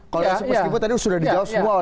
kalau yang sp dua hp tadi sudah dijauh semua